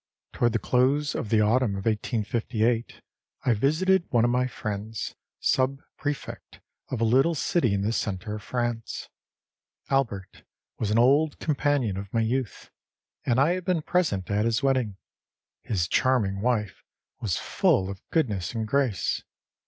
â Toward the close of the autumn of 1858 I visited one of my friends, sub prefect of a little city in the center of France. Albert was an old companion of my youth, and I had been present at his wedding. His charming wife was full of goodness and grace.